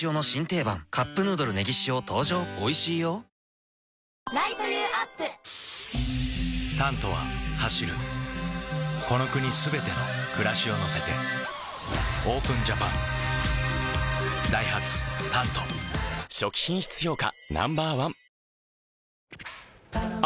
ちょっと悔しいなあ「タント」は走るこの国すべての暮らしを乗せてＯＰＥＮＪＡＰＡＮダイハツ「タント」初期品質評価